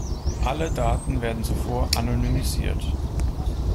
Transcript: Alle Daten werden zuvor anonymisiert.